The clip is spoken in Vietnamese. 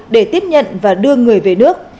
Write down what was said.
để tiếp nhận và đưa người về nước